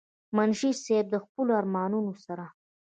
منشي صېب د خپلو ارمانونو سره